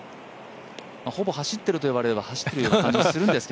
ほぼ走っていると言われれば走っている感じもしますが。